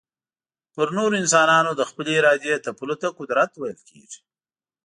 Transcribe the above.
پر نورو انسانانو د خپلي ارادې تپلو ته قدرت ويل کېږي.